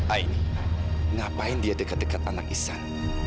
aini ngapain dia dekat dekat anak ihsan